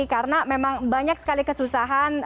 karena memang banyak sekali kesusahan